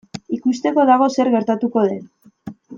Ikusteko dago zer gertatuko den.